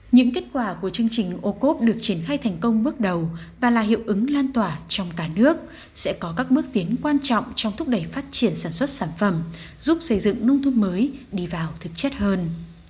những kết quả của chương trình ô cốp được triển khai thành công bước đầu và là hiệu ứng lan tỏa trong cả nước sẽ có các bước tiến quan trọng trong thúc đẩy phát triển sản xuất sản phẩm giúp xây dựng nông thôn mới đi vào thực chất hơn